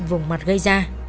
vùng mặt gây ra